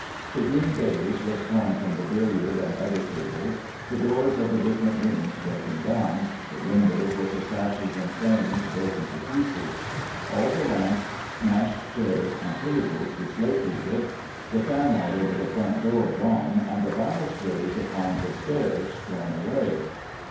The green baize was torn from the billiard and other tables, the doors of the different rooms broken down, the windows, with the sashes and frames, broken to pieces ; all the lamps smashed, chairs and tables dislocated, the fan light over the front door gone, and the balustrades upon the stairs torn away.